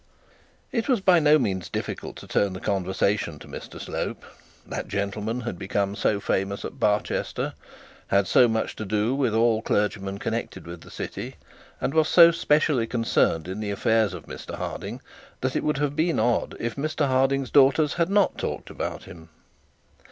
It was by no means difficult to turn the conversation to Mr Slope. That gentleman had become so famous at Barchester, had so much to do with all clergymen connected with the city, and was so specially concerned in the affairs of Mr Harding, that it would have been odd if Mr Harding's daughters had not talked about him.